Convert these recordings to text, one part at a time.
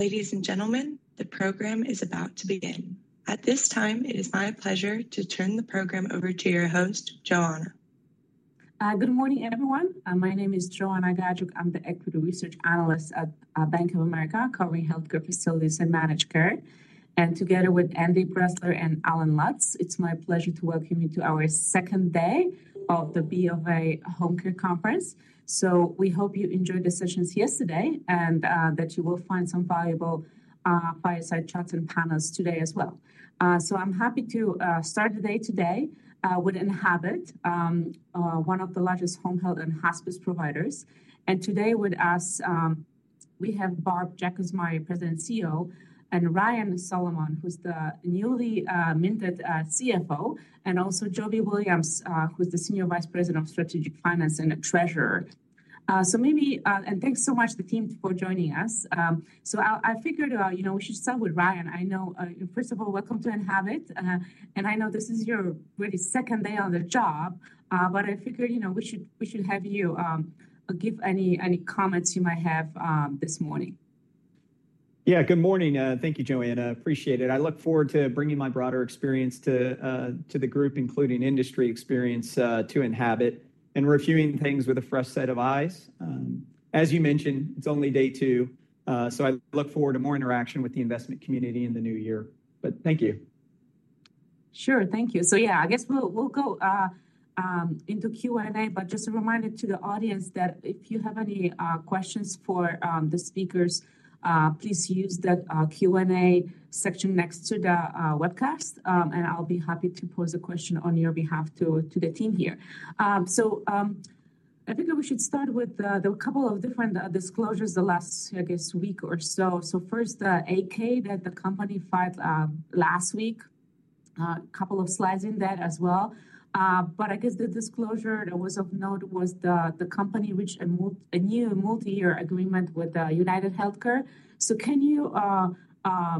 Ladies and gentlemen, the program is about to begin. At this time, it is my pleasure to turn the program over to your host, Joanna. Good morning, everyone. My name is Joanna Gajuk. I'm the Equity Research Analyst at Bank of America, covering healthcare facilities and managed care. And together with Andy Pressler and Allen Lutz, it's my pleasure to welcome you to our second day of the BofA Home Care Conference. So we hope you enjoyed the sessions yesterday and that you will find some valuable fireside chats and panels today as well. So I'm happy to start the day today with Enhabit, one of the largest home health and hospice providers. And today with us, we have Barb Jacobsmeyer, President and CEO, and Ryan Solomon, who's the newly minted CFO, and also Joby Williams, who's the Senior Vice President of Strategic Finance and Treasurer. So maybe, and thanks so much, the team, for joining us. So I figured, you know, we should start with Ryan. I know, first of all, welcome to Enhabit. And I know this is your really second day on the job, but I figured, you know, we should have you give any comments you might have this morning. Yeah, good morning. Thank you, Joanna. Appreciate it. I look forward to bringing my broader experience to the group, including industry experience to Enhabit and reviewing things with a fresh set of eyes. As you mentioned, it's only day two. So I look forward to more interaction with the investment community in the new year. But thank you. Sure, thank you. So yeah, I guess we'll go into Q&A, but just a reminder to the audience that if you have any questions for the speakers, please use the Q&A section next to the webcast, and I'll be happy to pose a question on your behalf to the team here. So I think we should start with a couple of different disclosures the last, I guess, week or so. So first, the 8-K that the company filed last week, a couple of slides in that as well. But I guess the disclosure that was of note was the company reached a new multi-year agreement with UnitedHealthcare. So can you,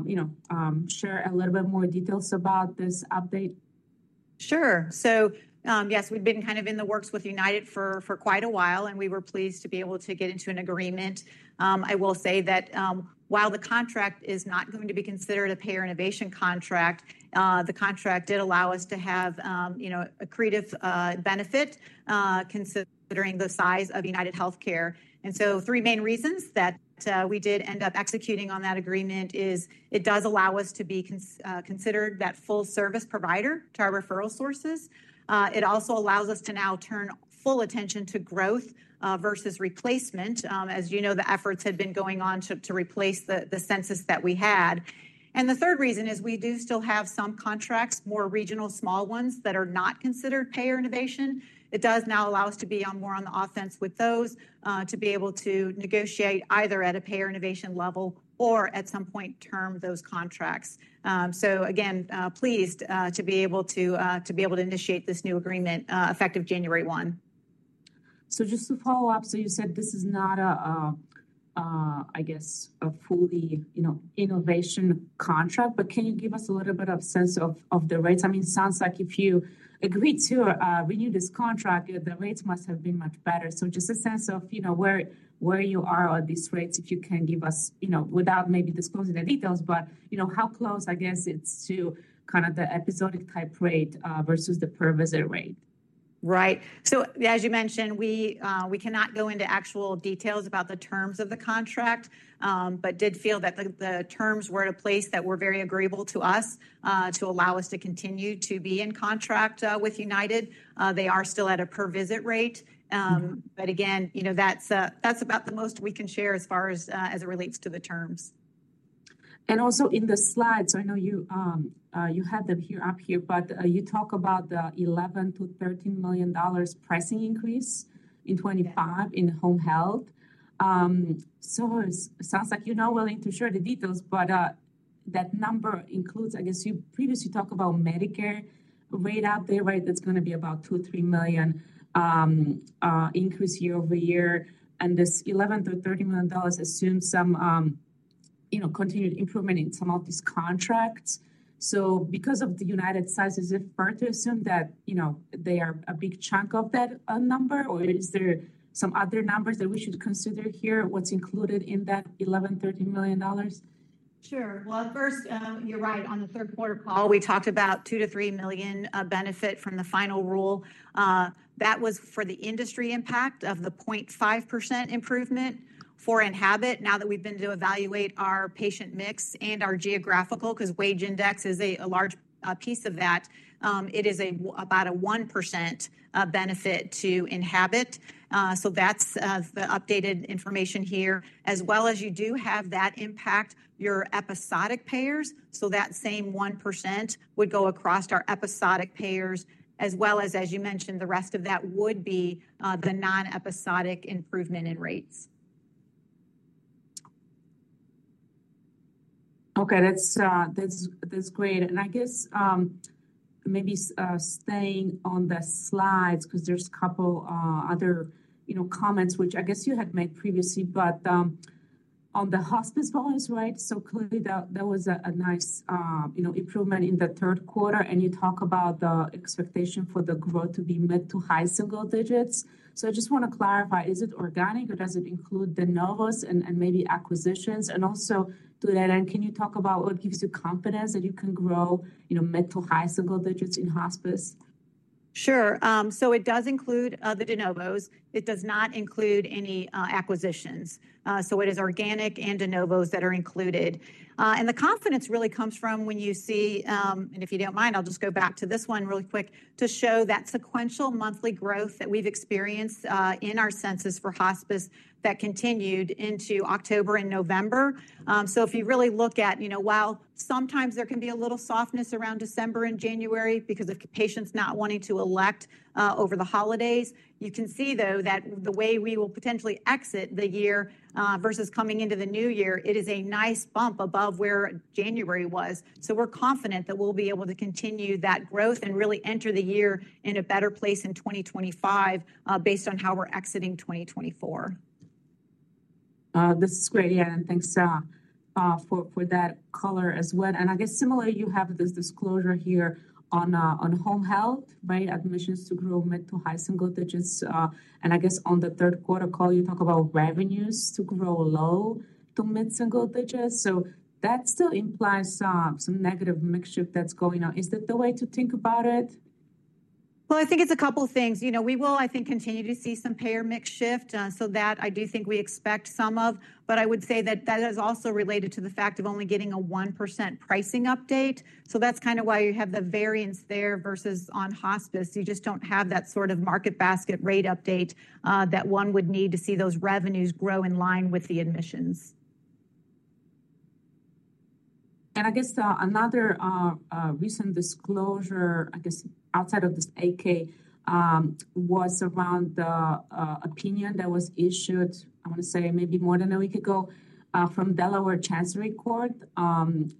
you know, share a little bit more details about this update? Sure. So yes, we've been kind of in the works with United for quite a while, and we were pleased to be able to get into an agreement. I will say that while the contract is not going to be considered a payer innovation contract, the contract did allow us to have, you know, a creative benefit considering the size of UnitedHealthcare. And so three main reasons that we did end up executing on that agreement is it does allow us to be considered that full service provider to our referral sources. It also allows us to now turn full attention to growth versus replacement. As you know, the efforts had been going on to replace the census that we had. And the third reason is we do still have some contracts, more regional small ones that are not considered payer innovation. It does now allow us to be more on the offense with those to be able to negotiate either at a payer innovation level or at some point term those contracts. So again, pleased to be able to initiate this new agreement effective January 1. So just to follow up, so you said this is not a, I guess, a fully, you know, innovation contract, but can you give us a little bit of sense of the rates? I mean, it sounds like if you agreed to renew this contract, the rates must have been much better. So just a sense of, you know, where you are at these rates, if you can give us, you know, without maybe disclosing the details, but you know, how close, I guess, it's to kind of the episodic type rate versus the per-visit rate. Right. So as you mentioned, we cannot go into actual details about the terms of the contract, but did feel that the terms were at a place that were very agreeable to us to allow us to continue to be in contract with United. They are still at a per-visit rate. But again, you know, that's about the most we can share as far as it relates to the terms. And also in the slides, I know you have them here up here, but you talk about the $11-$13 million pricing increase in 2025 in home health. So it sounds like you're not willing to share the details, but that number includes, I guess you previously talked about Medicare rate update, right? That's going to be $2 million-$3 million increase year over year. And this $11-$13 million assumes some, you know, continued improvement in some of these contracts. So because of the United size, is it fair to assume that, you know, they are a big chunk of that number, or is there some other numbers that we should consider here? What's included in that $11 million-$13 million? Sure. Well, first, you're right. On the third quarter call, we talked about $2-$3 million benefit from the final rule. That was for the industry impact of the 0.5% improvement for Enhabit. Now that we've been to evaluate our patient mix and our geographical, because wage index is a large piece of that, it is about a 1% benefit to Enhabit. So that's the updated information here. As well as you do have that impact, your episodic payers, so that same 1% would go across our episodic payers, as well as, as you mentioned, the rest of that would be the non-episodic improvement in rates. Okay, that's great. And I guess maybe staying on the slides, because there's a couple other, you know, comments, which I guess you had made previously, but on the hospice business, right? So clearly that was a nice, you know, improvement in the third quarter, and you talk about the expectation for the growth to be mid to high single digits. So I just want to clarify, is it organic, or does it include de novos and maybe acquisitions? And also to that end, can you talk about what gives you confidence that you can grow, you know, mid to high single digits in hospice? Sure. So it does include the de novos. It does not include any acquisitions. So it is organic and de novos that are included. And the confidence really comes from when you see, and if you don't mind, I'll just go back to this one really quick to show that sequential monthly growth that we've experienced in our census for hospice that continued into October and November. So if you really look at, you know, while sometimes there can be a little softness around December and January because of patients not wanting to elect over the holidays, you can see though that the way we will potentially exit the year versus coming into the new year. It is a nice bump above where January was. So we're confident that we'll be able to continue that growth and really enter the year in a better place in 2025 based on how we're exiting 2024. This is great, yeah. And thanks for that color as well. And I guess similarly, you have this disclosure here on home health, right? Admissions to grow mid to high single digits. And I guess on the third quarter call, you talk about revenues to grow low to mid single digits. So that still implies some negative mixture that's going on. Is that the way to think about it? I think it's a couple of things. You know, we will, I think, continue to see some payer mix shift. So that I do think we expect some of, but I would say that that is also related to the fact of only getting a 1% pricing update. So that's kind of why you have the variance there versus on hospice. You just don't have that sort of market basket rate update that one would need to see those revenues grow in line with the admissions. And I guess another recent disclosure, I guess outside of this 8-K, was around the opinion that was issued, I want to say maybe more than a week ago, from Delaware Chancery Court.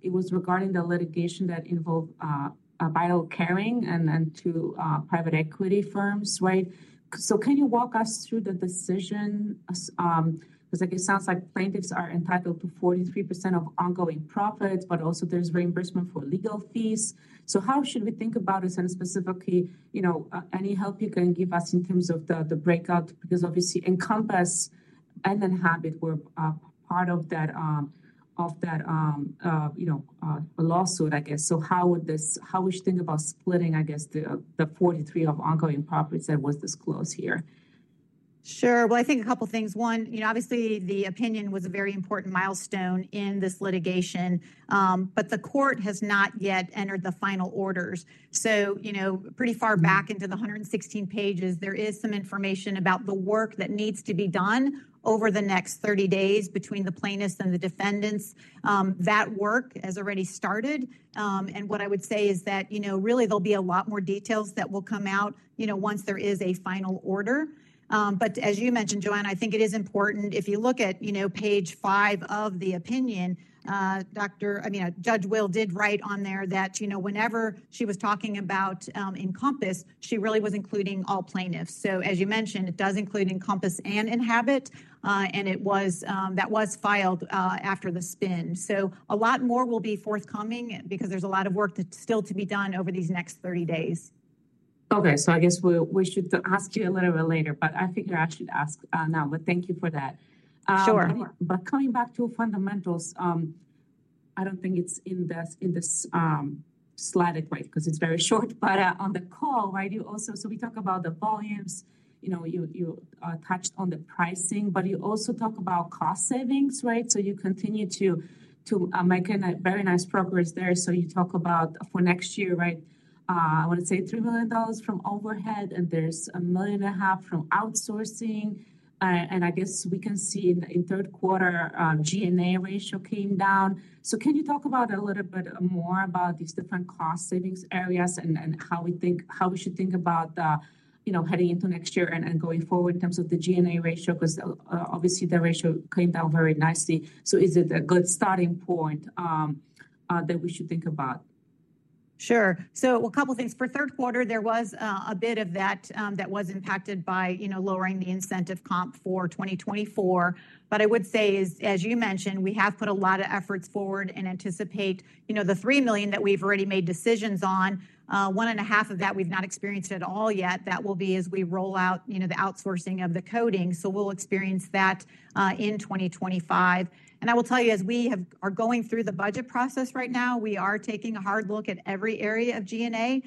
It was regarding the litigation that involved Enhabit and two private equity firms, right? So can you walk us through the decision? Because it sounds like plaintiffs are entitled to 43% of ongoing profits, but also there's reimbursement for legal fees. So how should we think about it? And specifically, you know, any help you can give us in terms of the breakout, because obviously Encompass and Enhabit were part of that, you know, lawsuit, I guess. So how would this, how would you think about splitting, I guess, the 43% of ongoing profits that was disclosed here? Sure. Well, I think a couple of things. One, you know, obviously the opinion was a very important milestone in this litigation, but the court has not yet entered the final orders. So, you know, pretty far back into the 116 pages, there is some information about the work that needs to be done over the next 30 days between the plaintiffs and the defendants. That work has already started. And what I would say is that, you know, really there'll be a lot more details that will come out, you know, once there is a final order. But as you mentioned, Joanna, I think it is important. If you look at, you know, page five of the opinion, Dr. I mean, Judge Will did write on there that, you know, whenever she was talking about Encompass, she really was including all plaintiffs. So as you mentioned, it does include Encompass and Enhabit, and that was filed after the spin. So a lot more will be forthcoming because there's a lot of work still to be done over these next 30 days. Okay. So I guess we should ask you a little bit later, but I figure I should ask now. But thank you for that. Sure. But coming back to fundamentals, I don't think it's in this slide right because it's very short, but on the call, right, you also, so we talk about the volumes, you know, you touched on the pricing, but you also talk about cost savings, right? So you continue to make a very nice progress there. So you talk about for next year, right, I want to say $3 million from overhead, and there's $1.5 million from outsourcing. And I guess we can see in third quarter, G&A ratio came down. So can you talk about a little bit more about these different cost savings areas and how we think, how we should think about, you know, heading into next year and going forward in terms of the G&A ratio? Because obviously the ratio came down very nicely. So is it a good starting point that we should think about? Sure. So a couple of things. For third quarter, there was a bit of that that was impacted by, you know, lowering the incentive comp for 2024. But I would say, as you mentioned, we have put a lot of efforts forward and anticipate, you know, the $3 million that we've already made decisions on, $1.5 million of that we've not experienced at all yet. That will be as we roll out, you know, the outsourcing of the coding. So we'll experience that in 2025. And I will tell you, as we are going through the budget process right now, we are taking a hard look at every area of G&A.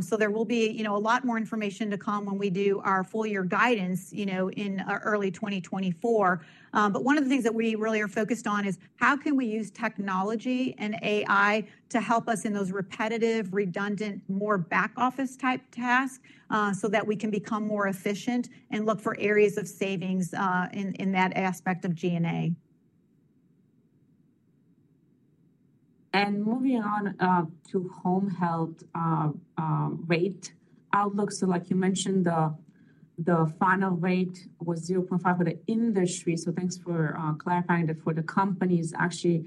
So there will be, you know, a lot more information to come when we do our full year guidance, you know, in early 2024. But one of the things that we really are focused on is how can we use technology and AI to help us in those repetitive, redundant, more back office type tasks so that we can become more efficient and look for areas of savings in that aspect of G&A. And moving on to home health rate outlook. So like you mentioned, the final rate was 0.5% for the industry. So thanks for clarifying that for the companies, actually,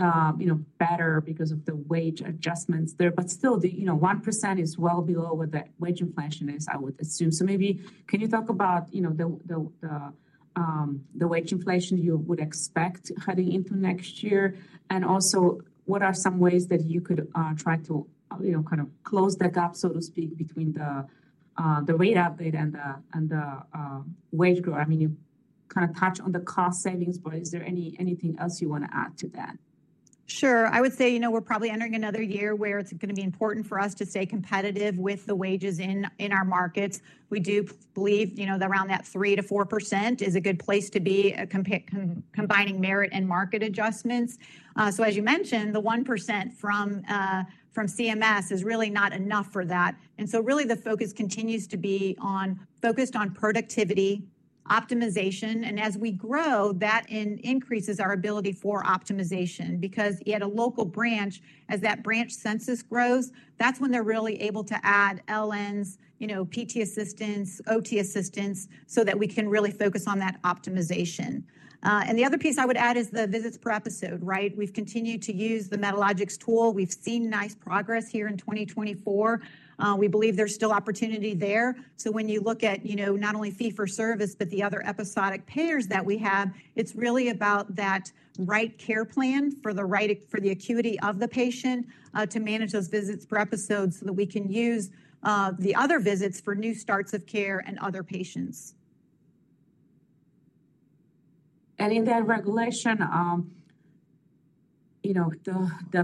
you know, better because of the wage adjustments there. But still, you know, 1% is well below what the wage inflation is, I would assume. So maybe can you talk about, you know, the wage inflation you would expect heading into next year? And also what are some ways that you could try to, you know, kind of close that gap, so to speak, between the rate update and the wage growth? I mean, you kind of touched on the cost savings, but is there anything else you want to add to that? Sure. I would say, you know, we're probably entering another year where it's going to be important for us to stay competitive with the wages in our markets. We do believe, you know, around that 3%-4% is a good place to be combining merit and market adjustments. So as you mentioned, the 1% from CMS is really not enough for that. And so really the focus continues to be focused on productivity, optimization. And as we grow, that increases our ability for optimization because at a local branch, as that branch census grows, that's when they're really able to add LPNs, you know, PT assistants, OT assistants so that we can really focus on that optimization. And the other piece I would add is the visits per episode, right? We've continued to use the Medalogix tool. We've seen nice progress here in 2024. We believe there's still opportunity there, so when you look at, you know, not only fee-for-service, but the other episodic payers that we have, it's really about that right care plan for the acuity of the patient to manage those visits per episode so that we can use the other visits for new starts of care and other patients. In that regulation, you know, the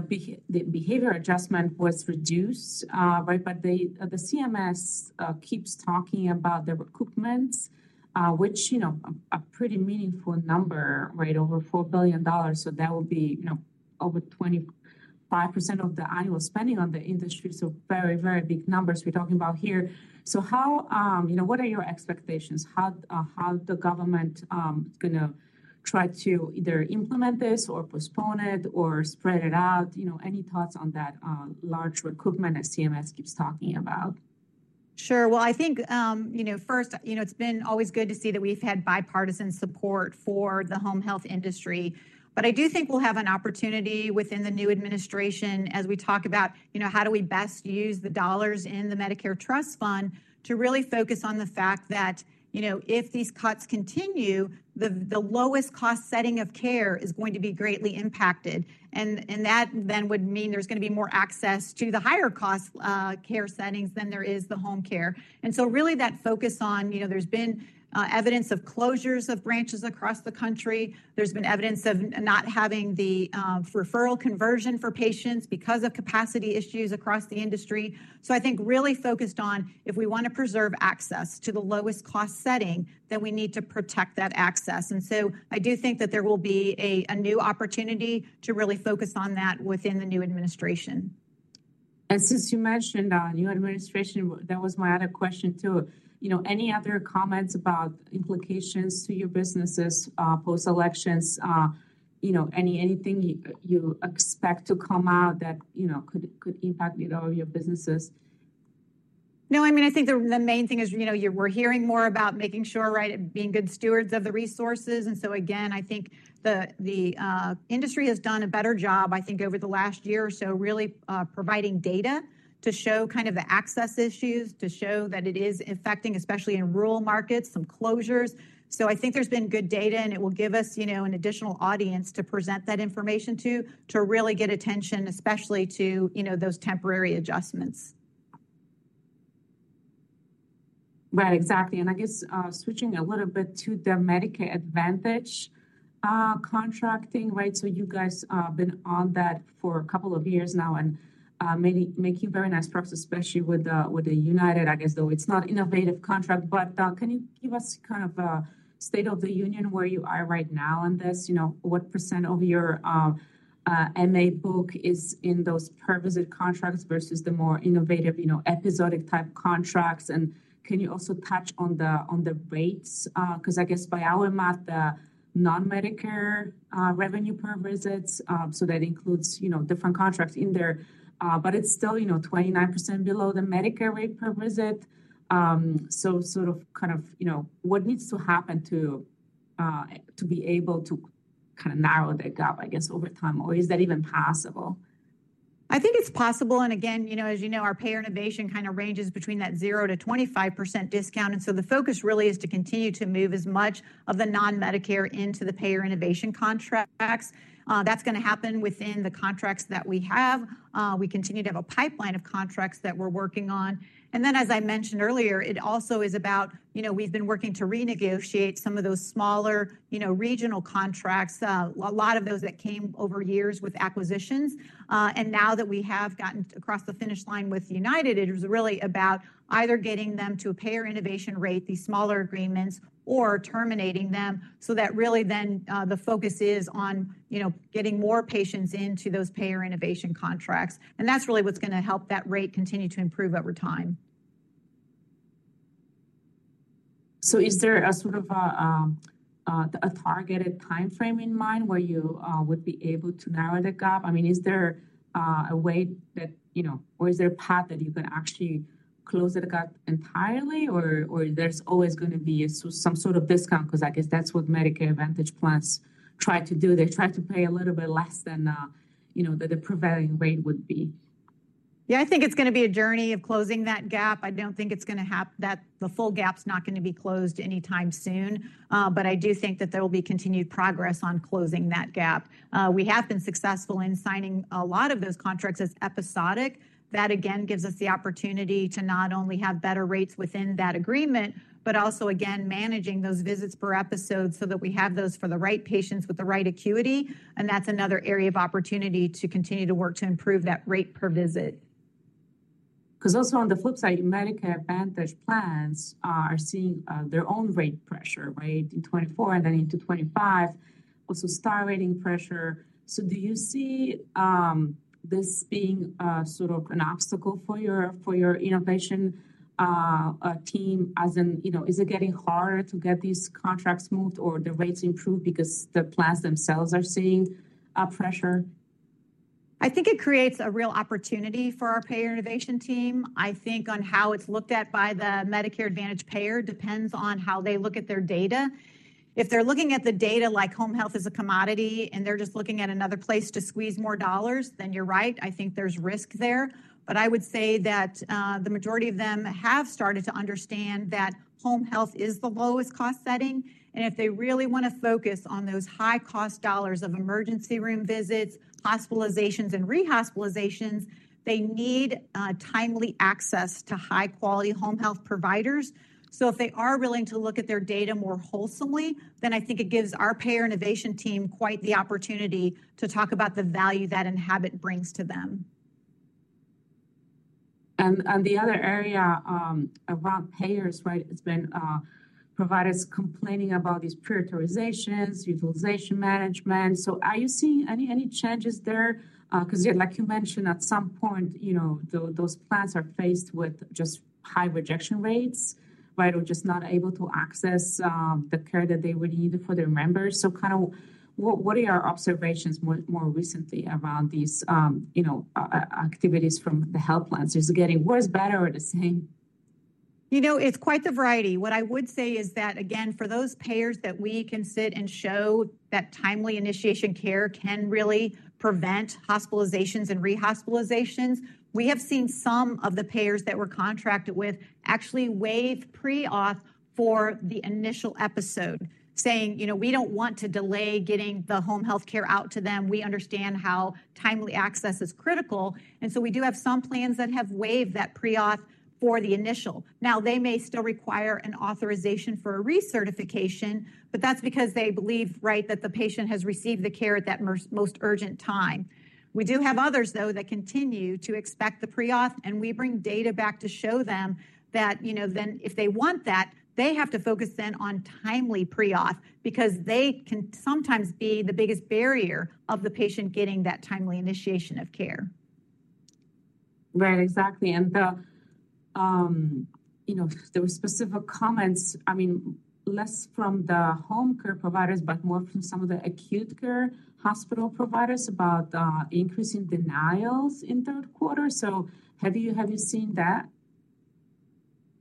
behavioral adjustment was reduced, right? But the CMS keeps talking about the recoupment, which, you know, a pretty meaningful number, right? Over $4 billion. So that would be, you know, over 25% of the annual spending on the industry. So very, very big numbers we're talking about here. So how, you know, what are your expectations? How the government is going to try to either implement this or postpone it or spread it out? You know, any thoughts on that large recoupment as CMS keeps talking about? Sure. Well, I think, you know, first, you know, it's been always good to see that we've had bipartisan support for the home health industry. But I do think we'll have an opportunity within the new administration as we talk about, you know, how do we best use the dollars in the Medicare Trust Fund to really focus on the fact that, you know, if these cuts continue, the lowest cost setting of care is going to be greatly impacted. And that then would mean there's going to be more access to the higher cost care settings than there is the home care. And so really that focus on, you know, there's been evidence of closures of branches across the country. There's been evidence of not having the referral conversion for patients because of capacity issues across the industry. So I think really focused on if we want to preserve access to the lowest cost setting, then we need to protect that access. And so I do think that there will be a new opportunity to really focus on that within the new administration. And since you mentioned new administration, that was my other question too. You know, any other comments about implications to your businesses post-elections? You know, anything you expect to come out that, you know, could impact your businesses? No, I mean, I think the main thing is, you know, we're hearing more about making sure, right, being good stewards of the resources, and so again, I think the industry has done a better job, I think, over the last year or so really providing data to show kind of the access issues, to show that it is affecting, especially in rural markets, some closures, so I think there's been good data and it will give us, you know, an additional audience to present that information to, to really get attention, especially to, you know, those temporary adjustments. Right, exactly. And I guess switching a little bit to the Medicare Advantage contracting, right? So you guys have been on that for a couple of years now and make you very nice perks, especially with the United, I guess, though it's not innovative contract. But can you give us kind of a state of the union where you are right now on this? You know, what % of your MA book is in those per-visit contracts versus the more innovative, you know, episodic type contracts? And can you also touch on the rates, because I guess by our math, the non-Medicare revenue per visits, so that includes, you know, different contracts in there, but it's still, you know, 29% below the Medicare rate per visit. So sort of kind of, you know, what needs to happen to be able to kind of narrow that gap, I guess, over time? Or is that even possible? I think it's possible. And again, you know, as you know, our payer innovation kind of ranges between that 0%-25% discount. And so the focus really is to continue to move as much of the non-Medicare into the payer innovation contracts. That's going to happen within the contracts that we have. We continue to have a pipeline of contracts that we're working on. And then, as I mentioned earlier, it also is about, you know, we've been working to renegotiate some of those smaller, you know, regional contracts, a lot of those that came over years with acquisitions. And now that we have gotten across the finish line with United, it was really about either getting them to a payer innovation rate, these smaller agreements, or terminating them. So that really then the focus is on, you know, getting more patients into those payer innovation contracts. That's really what's going to help that rate continue to improve over time. So is there a sort of a targeted timeframe in mind where you would be able to narrow the gap? I mean, is there a way that, you know, or is there a path that you can actually close the gap entirely, or there's always going to be some sort of discount? Because I guess that's what Medicare Advantage plans try to do. They try to pay a little bit less than, you know, the prevailing rate would be. Yeah, I think it's going to be a journey of closing that gap. I don't think it's going to happen that the full gap's not going to be closed anytime soon. But I do think that there will be continued progress on closing that gap. We have been successful in signing a lot of those contracts as episodic. That again gives us the opportunity to not only have better rates within that agreement, but also again, managing those visits per episode so that we have those for the right patients with the right acuity. And that's another area of opportunity to continue to work to improve that rate per visit. Because also on the flip side, Medicare Advantage plans are seeing their own rate pressure, right, in 2024 and then into 2025, also star rating pressure. So do you see this being sort of an obstacle for your innovation team as in, you know, is it getting harder to get these contracts moved or the rates improved because the plans themselves are seeing pressure? I think it creates a real opportunity for our payer innovation team. I think on how it's looked at by the Medicare Advantage payer depends on how they look at their data. If they're looking at the data like home health is a commodity and they're just looking at another place to squeeze more dollars, then you're right. I think there's risk there. But I would say that the majority of them have started to understand that home health is the lowest cost setting. And if they really want to focus on those high cost dollars of emergency room visits, hospitalizations, and re-hospitalizations, they need timely access to high quality home health providers. So if they are willing to look at their data more wholesomely, then I think it gives our payer innovation team quite the opportunity to talk about the value that Enhabit brings to them. And the other area around payers, right? It's been providers complaining about these pre-authorizations, utilization management. So are you seeing any changes there? Because like you mentioned, at some point, you know, those plans are faced with just high rejection rates, right? Or just not able to access the care that they would need for their members. So kind of what are your observations more recently around these, you know, activities from the health plans? Is it getting worse, better, or the same? You know, it's quite the variety. What I would say is that, again, for those payers that we can sit and show that timely initiation care can really prevent hospitalizations and re-hospitalizations, we have seen some of the payers that we're contracted with actually waive pre-auth for the initial episode, saying, you know, we don't want to delay getting the home health care out to them. We understand how timely access is critical. And so we do have some plans that have waived that pre-auth for the initial. Now, they may still require an authorization for a recertification, but that's because they believe, right, that the patient has received the care at that most urgent time. We do have others, though, that continue to expect the pre-auth, and we bring data back to show them that, you know, then if they want that, they have to focus then on timely pre-auth because they can sometimes be the biggest barrier of the patient getting that timely initiation of care. Right, exactly. And, you know, there were specific comments. I mean, less from the home care providers, but more from some of the acute care hospital providers about increasing denials in third quarter. So have you seen that?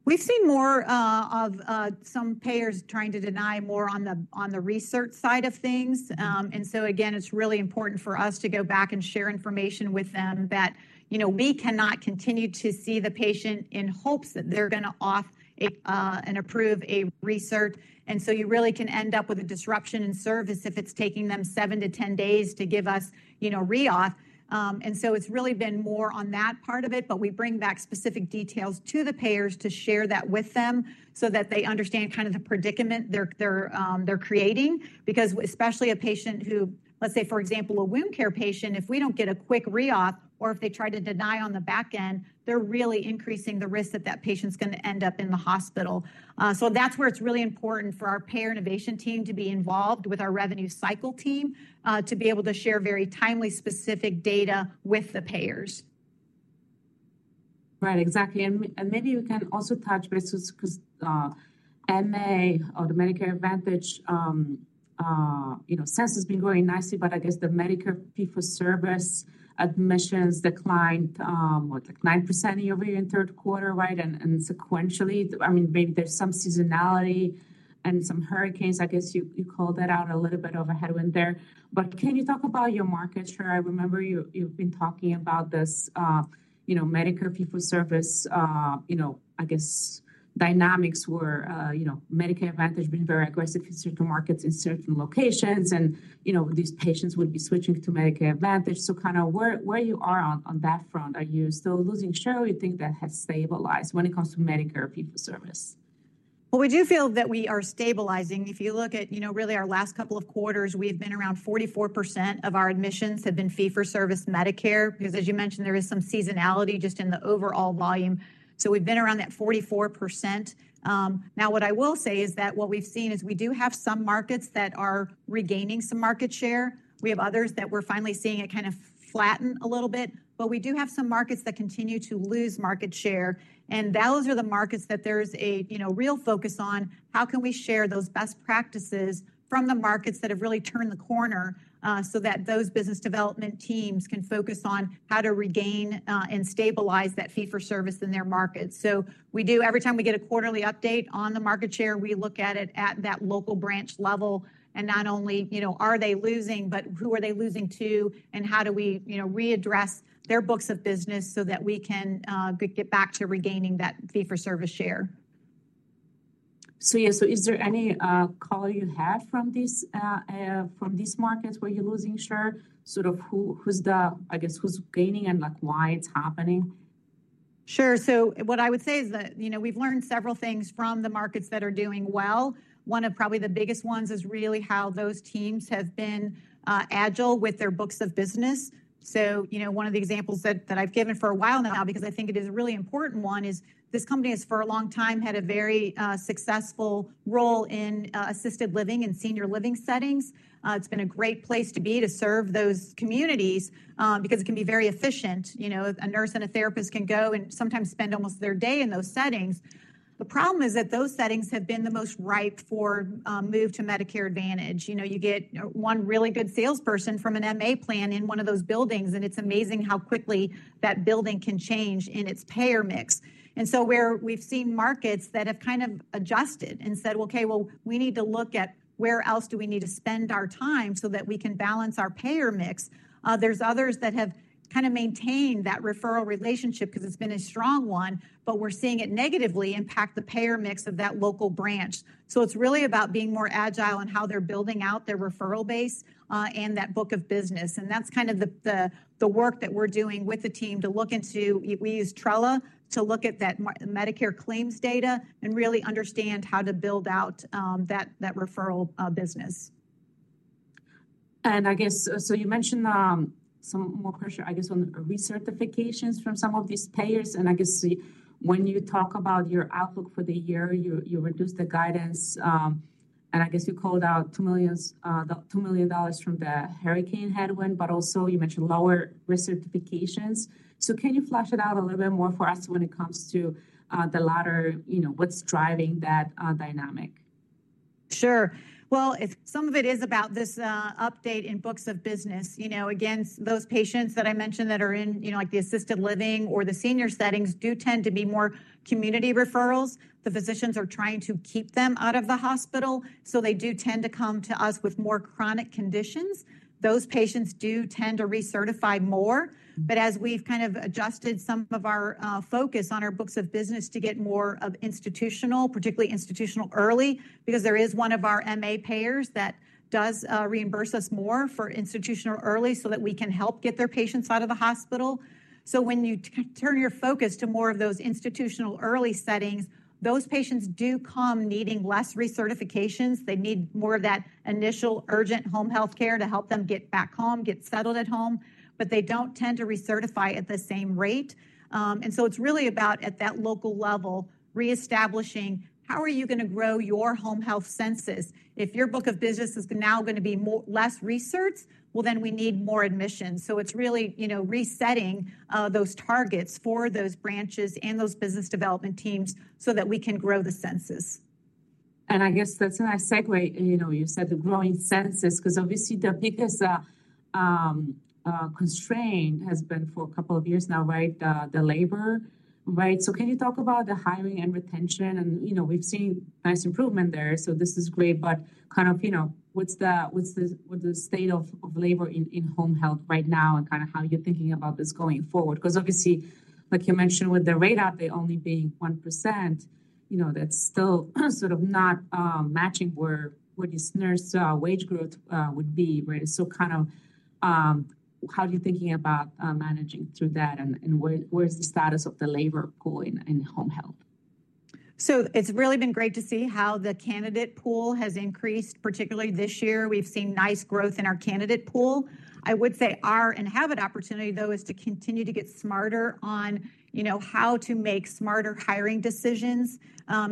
We've seen more of some payers trying to deny more on the respite side of things. And so again, it's really important for us to go back and share information with them that, you know, we cannot continue to see the patient in hopes that they're going to auth and approve a respite. And so you really can end up with a disruption in service if it's taking them seven to 10 days to give us, you know, re-auth. And so it's really been more on that part of it, but we bring back specific details to the payers to share that with them so that they understand kind of the predicament they're creating. Because especially a patient who, let's say, for example, a wound care patient, if we don't get a quick re-auth or if they try to deny on the back end, they're really increasing the risk that that patient's going to end up in the hospital. So that's where it's really important for our payer innovation team to be involved with our revenue cycle team to be able to share very timely, specific data with the payers. Right, exactly. And maybe we can also touch because MA or the Medicare Advantage, you know, penetration has been growing nicely, but I guess the Medicare fee-for-service admissions declined like 9% in your third quarter, right? And sequentially, I mean, maybe there's some seasonality and some hurricanes, I guess you called that out a little bit of a headwind there. But can you talk about your market share? I remember you've been talking about this, you know, Medicare fee-for-service, you know, I guess dynamics were, you know, Medicare Advantage being very aggressive in certain markets in certain locations and, you know, these patients would be switching to Medicare Advantage. So kind of where you are on that front, are you still losing share or you think that has stabilized when it comes to Medicare fee-for-service? We do feel that we are stabilizing. If you look at, you know, really our last couple of quarters, we've been around 44% of our admissions have been fee-for-service Medicare because, as you mentioned, there is some seasonality just in the overall volume. We've been around that 44%. Now, what I will say is that what we've seen is we do have some markets that are regaining some market share. We have others that we're finally seeing it kind of flatten a little bit. We do have some markets that continue to lose market share. And those are the markets that there's a, you know, real focus on how can we share those best practices from the markets that have really turned the corner so that those business development teams can focus on how to regain and stabilize that fee-for-service in their markets. So we do, every time we get a quarterly update on the market share, we look at it at that local branch level and not only, you know, are they losing, but who are they losing to and how do we, you know, readdress their books of business so that we can get back to regaining that fee for service share. So yeah, so is there any color you have from these markets where you're losing share? Sort of who's the, I guess, who's gaining and like why it's happening? Sure. So what I would say is that, you know, we've learned several things from the markets that are doing well. One of probably the biggest ones is really how those teams have been agile with their books of business. So, you know, one of the examples that I've given for a while now, because I think it is a really important one, is this company has for a long time had a very successful role in assisted living and senior living settings. It's been a great place to be to serve those communities because it can be very efficient. You know, a nurse and a therapist can go and sometimes spend almost their day in those settings. The problem is that those settings have been the most ripe for move to Medicare Advantage. You know, you get one really good salesperson from an MA plan in one of those buildings, and it's amazing how quickly that building can change in its payer mix, and so where we've seen markets that have kind of adjusted and said, okay, well, we need to look at where else do we need to spend our time so that we can balance our payer mix. There's others that have kind of maintained that referral relationship because it's been a strong one, but we're seeing it negatively impact the payer mix of that local branch, so it's really about being more agile in how they're building out their referral base and that book of business, and that's kind of the work that we're doing with the team to look into. We use Trella to look at that Medicare claims data and really understand how to build out that referral business. I guess, so you mentioned some more pressure, I guess, on recertifications from some of these payers. When you talk about your outlook for the year, you reduced the guidance. You called out $2 million from the hurricane headwind, but also you mentioned lower recertifications. Can you flesh it out a little bit more for us when it comes to the latter, you know, what's driving that dynamic? Sure. Well, some of it is about this update in books of business. You know, again, those patients that I mentioned that are in, you know, like the assisted living or the senior settings do tend to be more community referrals. The physicians are trying to keep them out of the hospital. So they do tend to come to us with more chronic conditions. Those patients do tend to recertify more. But as we've kind of adjusted some of our focus on our books of business to get more of institutional, particularly institutional early, because there is one of our MA payers that does reimburse us more for institutional early so that we can help get their patients out of the hospital. So when you turn your focus to more of those institutional early settings, those patients do come needing less recertifications. They need more of that initial urgent home health care to help them get back home, get settled at home, but they don't tend to recertify at the same rate. And so it's really about at that local level, reestablishing how are you going to grow your home health census. If your book of business is now going to be less referrals, well, then we need more admissions. So it's really, you know, resetting those targets for those branches and those business development teams so that we can grow the census. And I guess that's a nice segue. You know, you said the growing census because obviously the biggest constraint has been for a couple of years now, right? The labor, right? So can you talk about the hiring and retention? And, you know, we've seen nice improvement there. So this is great. But kind of, you know, what's the state of labor in home health right now and kind of how you're thinking about this going forward? Because obviously, like you mentioned with the rate cut, they're only being 1%, you know, that's still sort of not matching where this nurse wage growth would be, right? So kind of how are you thinking about managing through that and where's the status of the labor pool in home health? It's really been great to see how the candidate pool has increased, particularly this year. We've seen nice growth in our candidate pool. I would say our Enhabit opportunity though is to continue to get smarter on, you know, how to make smarter hiring decisions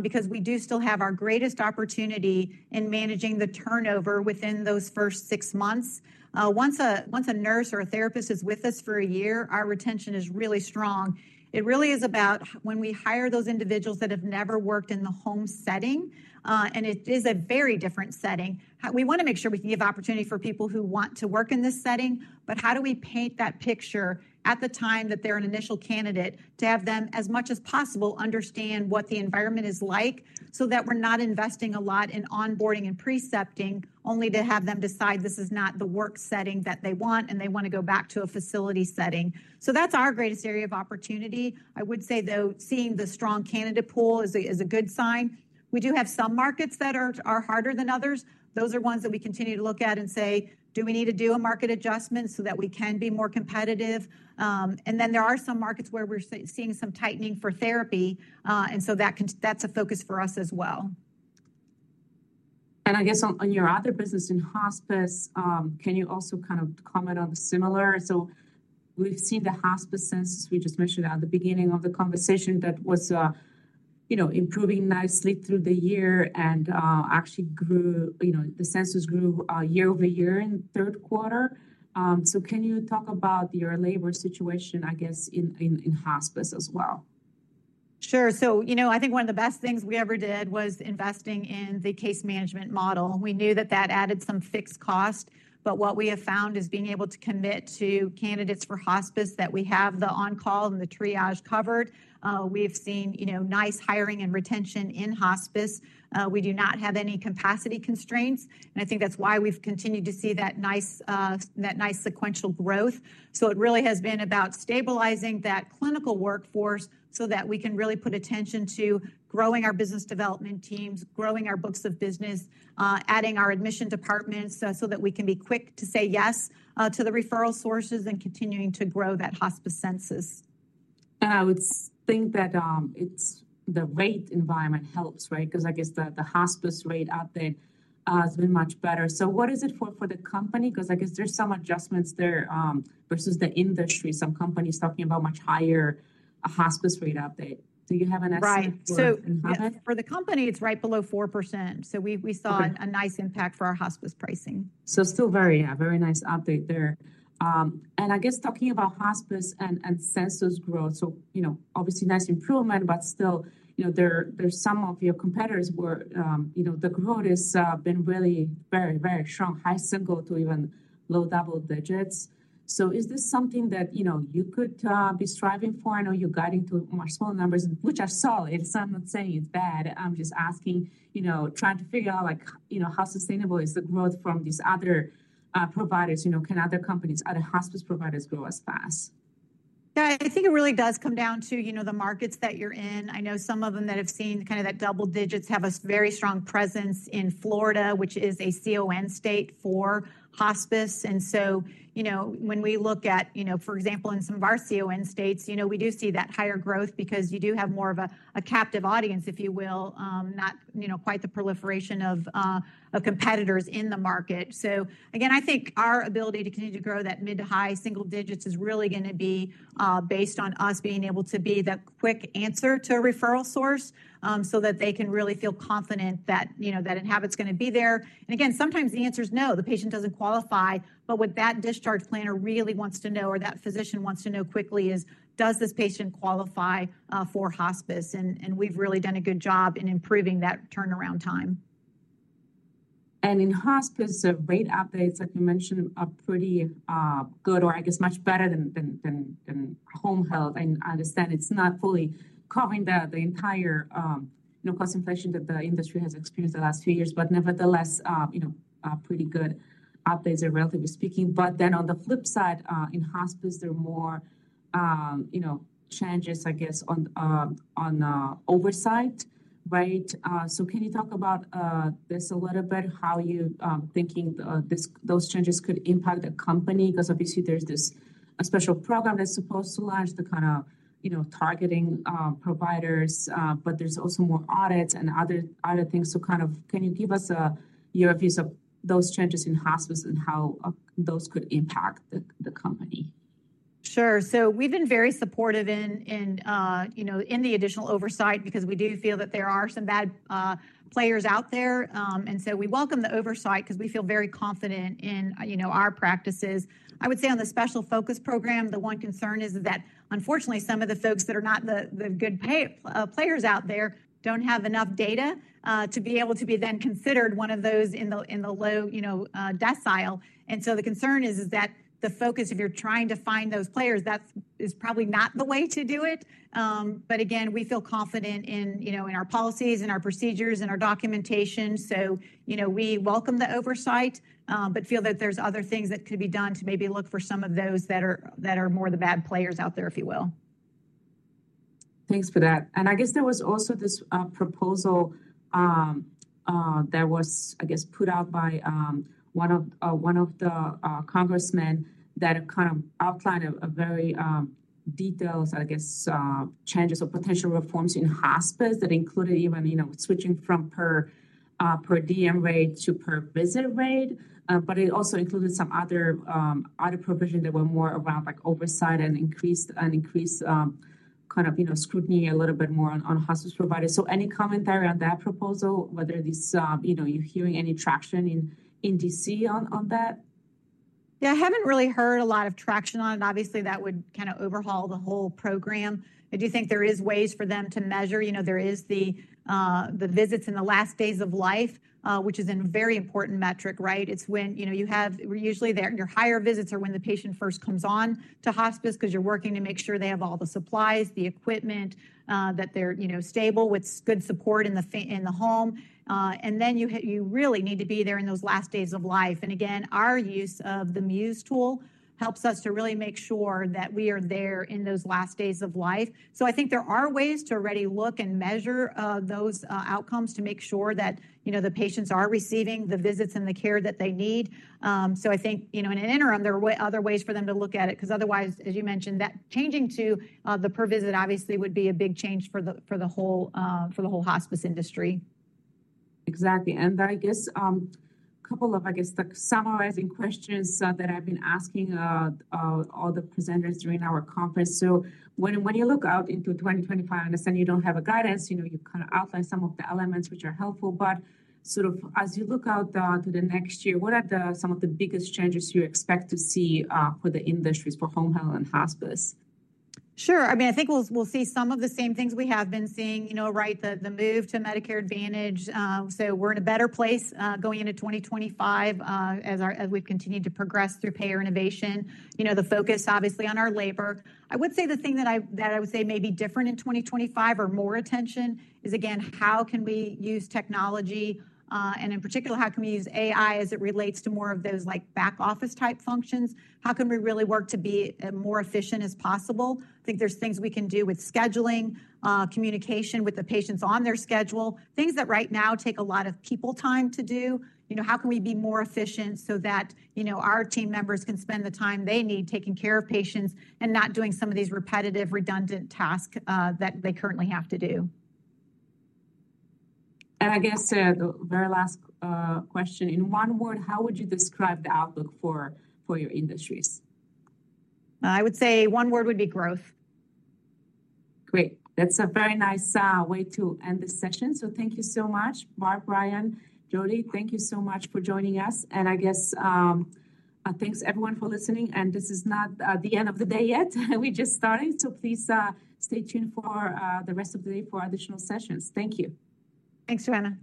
because we do still have our greatest opportunity in managing the turnover within those first six months. Once a nurse or a therapist is with us for a year, our retention is really strong. It really is about when we hire those individuals that have never worked in the home setting, and it is a very different setting. We want to make sure we can give opportunity for people who want to work in this setting, but how do we paint that picture at the time that they're an initial candidate to have them as much as possible understand what the environment is like so that we're not investing a lot in onboarding and precepting only to have them decide this is not the work setting that they want and they want to go back to a facility setting. So that's our greatest area of opportunity. I would say though, seeing the strong candidate pool is a good sign. We do have some markets that are harder than others. Those are ones that we continue to look at and say, do we need to do a market adjustment so that we can be more competitive? And then there are some markets where we're seeing some tightening for therapy. And so that's a focus for us as well. I guess on your other business in hospice, can you also kind of comment on the similar? So we've seen the hospice census we just mentioned at the beginning of the conversation that was, you know, improving nicely through the year and actually grew, you know, the census grew year over year in third quarter. So can you talk about your labor situation, I guess, in hospice as well? Sure. So, you know, I think one of the best things we ever did was investing in the case management model. We knew that that added some fixed cost, but what we have found is being able to commit to candidates for hospice that we have the on-call and the triage covered. We've seen, you know, nice hiring and retention in hospice. We do not have any capacity constraints. And I think that's why we've continued to see that nice sequential growth. So it really has been about stabilizing that clinical workforce so that we can really put attention to growing our business development teams, growing our books of business, adding our admission departments so that we can be quick to say yes to the referral sources and continuing to grow that hospice census. I would think that the rate environment helps, right? Because I guess the hospice rate update has been much better. So what is it for the company? Because I guess there's some adjustments there versus the industry. Some companies talking about much higher hospice rate update. Do you have an estimate for that? Right. So for the company, it's right below 4%. So we saw a nice impact for our hospice pricing. So, still very, very nice update there. And I guess talking about hospice and census growth, so, you know, obviously nice improvement, but still, you know, there's some of your competitors where, you know, the growth has been really very, very strong, high single to even low double digits. So is this something that, you know, you could be striving for? I know you're guiding to much smaller numbers, which are solid. So I'm not saying it's bad. I'm just asking, you know, trying to figure out like, you know, how sustainable is the growth from these other providers? You know, can other companies, other hospice providers grow as fast? Yeah, I think it really does come down to, you know, the markets that you're in. I know some of them that have seen kind of that double digits have a very strong presence in Florida, which is a CON state for hospice. And so, you know, when we look at, you know, for example, in some of our CON states, you know, we do see that higher growth because you do have more of a captive audience, if you will, not, you know, quite the proliferation of competitors in the market. So again, I think our ability to continue to grow that mid to high single digits is really going to be based on us being able to be that quick answer to a referral source so that they can really feel confident that, you know, that Enhabit's going to be there. Again, sometimes the answer is no, the patient doesn't qualify. But what that discharge planner really wants to know or that physician wants to know quickly is, does this patient qualify for hospice? We've really done a good job in improving that turnaround time. In hospice, the rate updates that you mentioned are pretty good or I guess much better than home health. I understand it's not fully covering the entire cost inflation that the industry has experienced the last few years, but nevertheless, you know, pretty good updates are relatively speaking. But then on the flip side, in hospice, there are more, you know, changes, I guess, on oversight, right? So can you talk about this a little bit, how you're thinking those changes could impact the company? Because obviously there's this special program that's supposed to launch the kind of, you know, targeting providers, but there's also more audits and other things. So kind of can you give us your views of those changes in hospice and how those could impact the company? Sure. So we've been very supportive in, you know, in the additional oversight because we do feel that there are some bad players out there. And so we welcome the oversight because we feel very confident in, you know, our practices. I would say on the Special Focus Program, the one concern is that unfortunately some of the folks that are not the good players out there don't have enough data to be able to be then considered one of those in the low, you know, decile. And so the concern is that the focus if you're trying to find those players, that is probably not the way to do it. But again, we feel confident in, you know, in our policies and our procedures and our documentation. So, you know, we welcome the oversight, but feel that there's other things that could be done to maybe look for some of those that are more the bad players out there, if you will. Thanks for that. And I guess there was also this proposal that was, I guess, put out by one of the congressmen that kind of outlined very detailed, I guess, changes or potential reforms in hospice that included even, you know, switching from per diem rate to per visit rate. But it also included some other provisions that were more around like oversight and increased kind of, you know, scrutiny a little bit more on hospice providers. So any commentary on that proposal, whether this, you know, you're hearing any traction in DC on that? Yeah, I haven't really heard a lot of traction on it. Obviously, that would kind of overhaul the whole program. I do think there are ways for them to measure, you know, there are the visits in the last days of life, which is a very important metric, right? It's when, you know, you have usually your higher visits are when the patient first comes on to hospice because you're working to make sure they have all the supplies, the equipment, that they're, you know, stable with good support in the home. And then you really need to be there in those last days of life. And again, our use of the Muse tool helps us to really make sure that we are there in those last days of life. So I think there are ways to already look and measure those outcomes to make sure that, you know, the patients are receiving the visits and the care that they need. So I think, you know, in an interim, there are other ways for them to look at it because otherwise, as you mentioned, that changing to the per visit obviously would be a big change for the whole hospice industry. Exactly, and I guess a couple of, I guess, the summarizing questions that I've been asking all the presenters during our conference, so when you look out into 2025, I understand you don't have a guidance, you know, you kind of outlined some of the elements which are helpful, but sort of as you look out to the next year, what are some of the biggest changes you expect to see for the industries, for home health and hospice? Sure. I mean, I think we'll see some of the same things we have been seeing, you know, right, the move to Medicare Advantage. So we're in a better place going into 2025 as we've continued to progress through payer innovation. You know, the focus obviously on our labor. I would say the thing that I would say may be different in 2025 or more attention is, again, how can we use technology and in particular, how can we use AI as it relates to more of those like back office type functions? How can we really work to be more efficient as possible? I think there's things we can do with scheduling, communication with the patients on their schedule, things that right now take a lot of people time to do. You know, how can we be more efficient so that, you know, our team members can spend the time they need taking care of patients and not doing some of these repetitive, redundant tasks that they currently have to do? I guess the very last question, in one word, how would you describe the outlook for your industries? I would say one word would be growth. Great. That's a very nice way to end this session. So thank you so much, Barb, Ryan, Joby. Thank you so much for joining us. And I guess thanks everyone for listening. And this is not the end of the day yet. We're just starting. So please stay tuned for the rest of the day for additional sessions. Thank you. Thanks, Joanna.